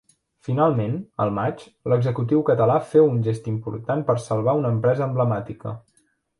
Finalment, al maig, l'executiu català féu un gest important per a salvar una empresa emblemàtica.